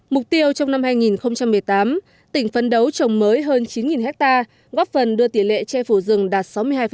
mục tiêu trong năm hai nghìn một mươi tám tỉnh phân đấu trồng mới hơn chín hectare góp phần đưa tỉ lệ che phủ rừng đạt sáu mươi hai